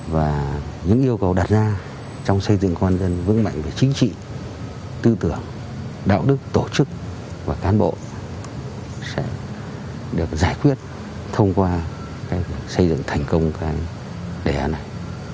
và những yêu cầu đặt ra trong xây dựng công an nhân vững mạnh về chính trị tư tưởng đạo đức tổ chức và cán bộ sẽ được giải quyết thông qua cái xây dựng thành công của anh đẻ này